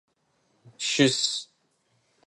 Щыс!